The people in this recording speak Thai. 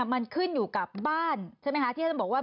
มันขึ้นอยู่กับบ้านที่ท่านบอกว่า